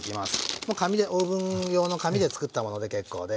もう紙でオーブン用の紙でつくったもので結構です。